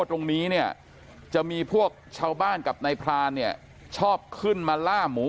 ตรงนี้เนี่ยจะมีพวกชาวบ้านกับนายพรานเนี่ยชอบขึ้นมาล่าหมู